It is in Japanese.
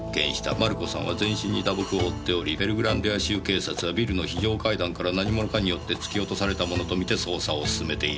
「マルコさんは全身に打撲を負っておりペルグランディア州警察はビルの非常階段から何者かによって突き落とされたものと見て捜査を進めている」